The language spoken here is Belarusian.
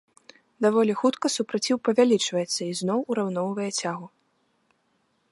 Даволі хутка супраціў павялічваецца і зноў ураўноўвае цягу.